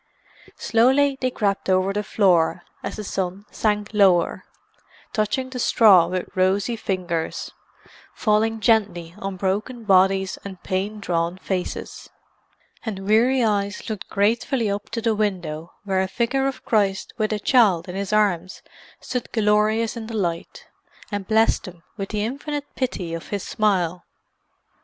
Slowly they crept over the floor, as the sun sank lower, touching the straw with rosy fingers, falling gently on broken bodies and pain drawn faces; and weary eyes looked gratefully up to the window where a figure of Christ with a child in His arms stood glorious in the light, and blessed them with the infinite pity of His smile.